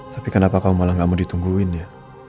tapi kamu malah gak mau ditungguin ya